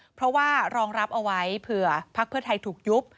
เพราะว่ารองรับเอาไว้เผื่อพักเพื่อไทยถูกยุบ